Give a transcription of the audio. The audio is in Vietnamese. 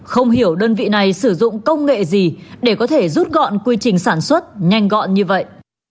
không hiểu đơn vị này sử dụng công nghệ gì để có thể rút gọn quy trình sản xuất nhanh gọn như vậy